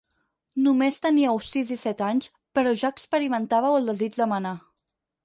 Només teníeu sis i set anys però ja experimentàveu el desig de manar.